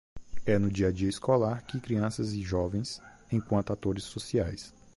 É no dia-a-dia escolar que crianças e jovens, enquanto atores sociais